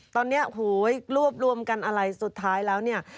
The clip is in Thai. ตอนนี้โหยรวบรวมกันอะไรสุดท้ายแล้วเนี่ย